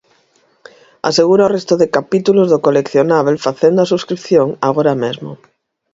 Asegura o resto de capítulos do coleccionábel facendo a subscrición agora mesmo!